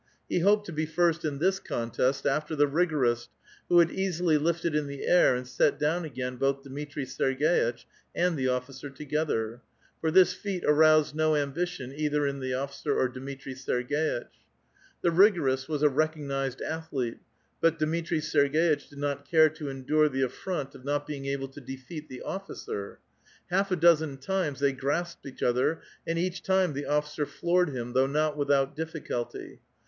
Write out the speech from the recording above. He hoped to be first in this contest *^t,er the rigorist, who had easily lifted in the air and set ^^Wn again both Dmitri Serg^itch and the officer together ;^^^ this feat aroused no ambition either in tlie officer or I^niitii Serg^itch. The rigorist was a recognized athlete, out Dmitri Serg^itch did not care to endure the affront of JJOt being able to defeat the officer. Half a dozen times ^^^y grasped each other, and each time the officer floored him though not without difficulty.